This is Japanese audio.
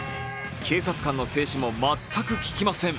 警察官の制止も全くききません。